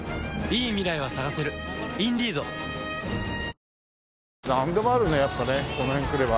東京海上日動なんでもあるねやっぱねこの辺来れば。